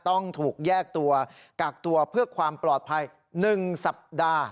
ต้องถูกแยกตัวกักตัวเพื่อความปลอดภัย๑สัปดาห์